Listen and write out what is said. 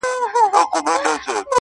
تش په نامه دغه ديدار وچاته څه وركوي.